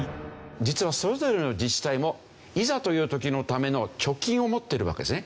実はそれぞれの自治体もいざという時のための貯金を持ってるわけですね。